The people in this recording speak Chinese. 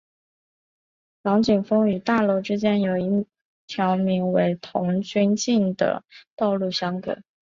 港景峰与大楼之间有一条名为童军径的道路相隔。